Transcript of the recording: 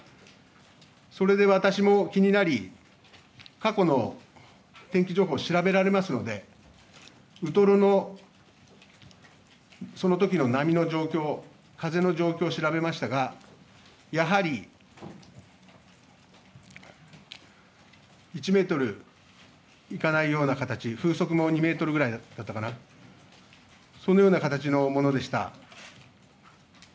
それで私も気になり過去の天気情報を調べられますのでウトロのそのときの波の状況、風の状況を調べましたが、やはり１メートルいかないような形、風速も２メートルぐらいだったかな、そのような形のものでした。